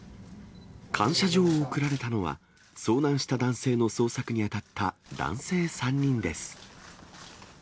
感謝状を贈られたのは、遭難した男性の捜索に当たった男性３人です。